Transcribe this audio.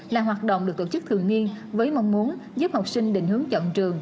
là hoạt động được tổ chức thường niên với mong muốn giúp học sinh định hướng chọn trường